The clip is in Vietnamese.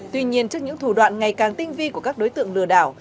tuy nhiên trước những thủ đoạn ngày càng tinh vi của các đối tượng lừa đảo